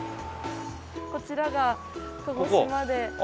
こちらが鹿児島で有名な。